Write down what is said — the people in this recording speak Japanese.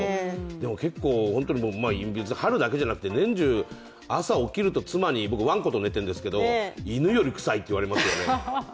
でも結構、春だけじゃなくて年中朝起きると、妻に僕、わんこと寝てるんですけど、犬よりくさいって言われますよね。